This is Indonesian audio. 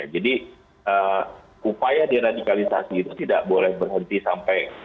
jadi upaya diradikalisasi itu tidak boleh berhenti sampai